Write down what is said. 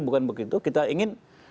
bukan begitu kita ingin